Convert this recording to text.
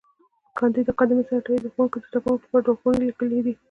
کانديد اکاډميسن عطایي د ښوونکو او زدهکوونکو لپاره لارښوونې لیکلې دي.